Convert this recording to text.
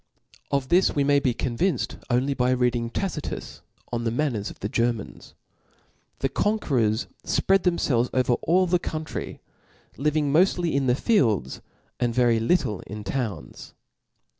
Of this we may be convinced only by reading Tacitius On the Man^ ners of the Germans. The conquerors fpread them felves over all the country ; living moftly in the fields, and very little in towns.